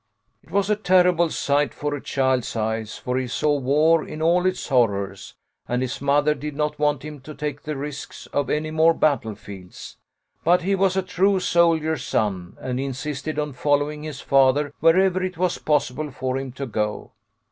" It was a terrible sight for a child's eyes, for he saw war in all its horrors, and his mother did not want him to take the risks of any more battle fields, but he was a true soldier's son, and insisted on following his father wherever it was possible for him to go.